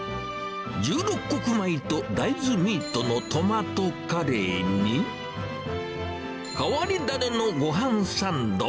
十六穀米と大豆ミートのトマトカレーに、変わり種のごはんサンド。